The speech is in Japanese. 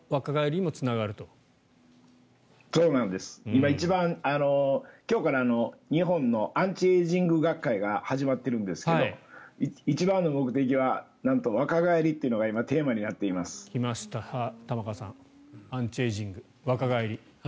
今、一番今日から日本のアンチエイジング学会が始まっているんですが一番の目的はなんと若返りというのが来ました、玉川さんアンチエイジング、若返り。